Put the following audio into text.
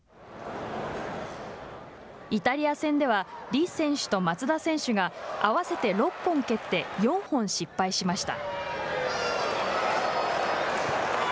イタリア戦では李選手と松田選手が合わせて６本蹴って４本失敗しました。